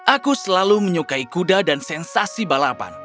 aku selalu menyukai kuda dan sensasi balapan